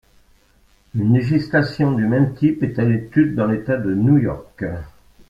Une législation du même type est à l'étude dans l'État de New York.